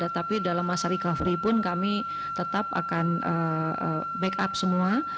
tapi dalam masa recovery pun kami tetap akan backup semua